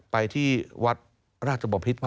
ไปที่วัดราชบอพิษก่อน